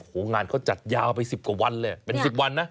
โอ้โหงานเขาจัดยาวไป๑๐กว่าวันเลยเป็น๑๐วันนะ